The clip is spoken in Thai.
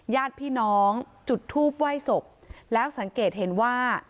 ญาติพี่น้องจุดทูปไหว้ศพแล้วสังเกตเห็นว่า